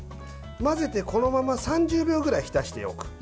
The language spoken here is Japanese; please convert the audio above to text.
混ぜてこのまま３０秒くらい浸しておく。